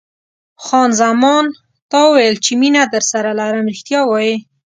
خان زمان: تا وویل چې مینه درسره لرم، رښتیا وایې؟